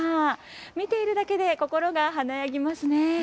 見ているだけで心が華やぎますね。